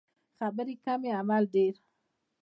خبرې کمې عمل ډیر